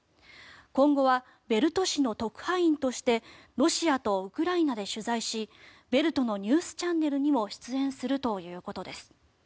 今後はヴェルト紙の特派員としてロシアとウクライナで取材しヴェルトのニュースチャンネルにも出演するということです。